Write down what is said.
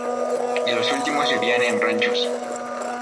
Y los últimos vivían en ranchos.